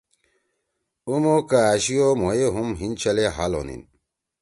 اُمُو کہ أشِیو مھوئے ھم ہین چھلے حال ہونین